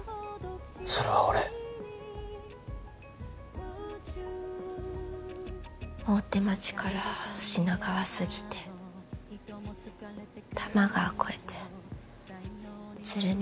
それは俺大手町から品川すぎて多摩川越えて鶴見